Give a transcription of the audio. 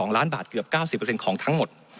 ๒ล้านบาทเกือบ๙๐ของทั้งหมด